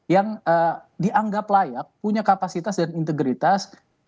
yang dianggap layak punya kapasitas dan integritas